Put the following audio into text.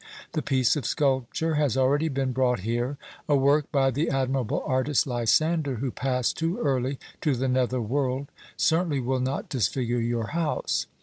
The piece of sculpture has already been brought here. A work by the admirable artist Lysander, who passed too early to the nether world, certainly will not disfigure your house.